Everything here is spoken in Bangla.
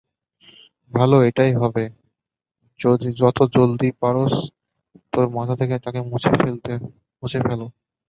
ভালো এটাই হবে, যত জলদি পারছ তোর মাথা থেকে তাকে মুছে ফেল।